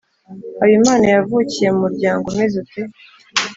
Habimana yavukiye mu muryango umeze ute?